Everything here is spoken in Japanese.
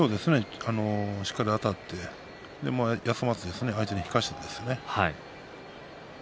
しっかりあたって休まずに相手に引かせて。